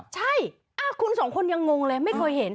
ใช่คุณสองคนยังงงเลยไม่เคยเห็น